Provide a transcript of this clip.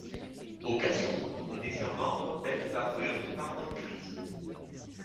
Occasion, on désire vendre belle parure marmotte grise.